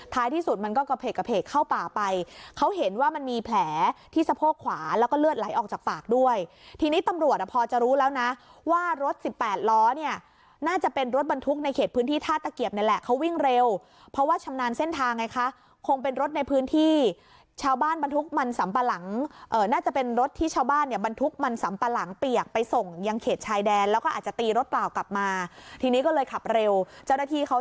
ท้ายที่สุดมันก็เกรกเกรกเกรกเกรกเกรกเกรกเกรกเกรกเกรกเกรกเกรกเกรกเกรกเกรกเกรกเกรกเกรกเกรกเกรกเกรกเกรกเกรกเกรกเกรกเกรกเกรกเกรกเกรกเกรกเกรกเกรกเกรกเกรกเกรกเกรกเกรกเกรกเกรกเกรกเกรกเกรกเกรกเกรกเกรกเกรกเกรกเกรกเกรกเกรกเกรกเกรกเกรก